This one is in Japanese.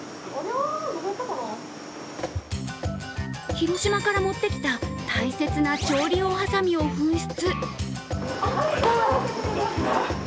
広島から持ってきた大切な調理用はさみを紛失。